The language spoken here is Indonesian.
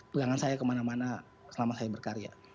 pegangan saya kemana mana selama saya berkarya